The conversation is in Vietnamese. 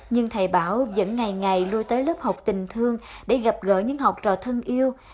nhưng thầy bảo vẫn ngày ngày lui tới lớp học tình thương để gặp gỡ những học trò thân yêu